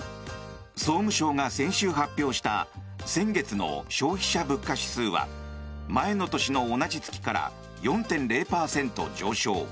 総務省が先週発表した先月の消費者物価指数は前の年の同じ月から４．０％上昇。